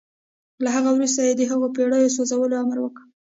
له هغه وروسته يې د هغو بېړيو د سوځولو امر وکړ.